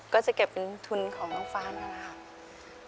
ก็จะเก็บเป็นทุนของน้องฟรานก่อนนะครับ